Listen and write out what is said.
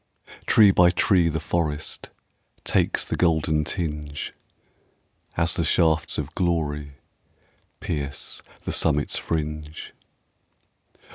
Tree by tree the forest Takes the golden tinge, As the shafts of glory Pierce the summit's fringe.